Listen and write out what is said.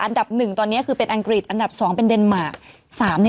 อันดับหนึ่งตอนนี้คือเป็นอังกฤษอันดับ๒เป็นเดนมาร์